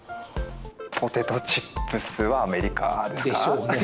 ポテトチップスはアメリカですか？でしょうね。